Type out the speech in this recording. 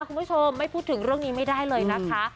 คุณผู้ชมไม่พูดถึงเรื่องนี้ไม่ได้เลยนะคะ